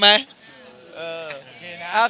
เห็นมั้ยบ่าว